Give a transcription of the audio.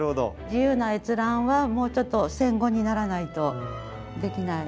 自由な閲覧はもうちょっと戦後にならないとできない。